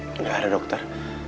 nggak ada dokter